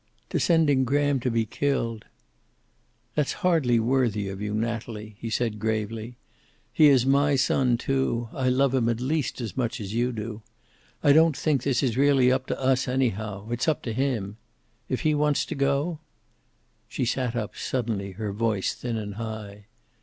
"To sending Graham to be killed." "That's hardly worthy of you, Natalie," he said gravely. "He is my son, too. I love him at least as much as you do. I don't think this is really up to us, anyhow. It is up to him. If he wants to go?" She sat up, suddenly, her voice thin and high.